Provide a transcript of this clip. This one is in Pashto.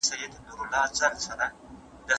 سړی باید زده کړه وکړي.